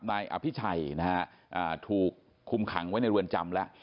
นายอภิชัยนะฮะถูกคุมขังไว้ในเรือนจำแล้ว